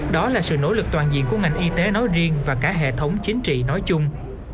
đó là sự nỗ lực toàn diện của ngành y tế nói riêng và cả hệ thống chính trị nói chung